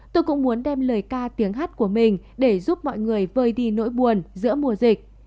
tôi cũng muốn đem lời ca tiếng hát của mình để giúp mọi người vơi đi nỗi buồn giữa mùa dịch